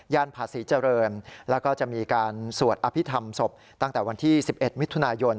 ผาศรีเจริญแล้วก็จะมีการสวดอภิษฐรรมศพตั้งแต่วันที่๑๑มิถุนายน